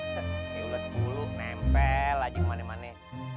nih ulat bulu nempel aja kemane mane